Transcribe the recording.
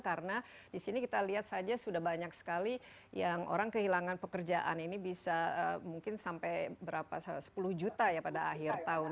karena disini kita lihat saja sudah banyak sekali yang orang kehilangan pekerjaan ini bisa mungkin sampai sepuluh juta pada akhir tahun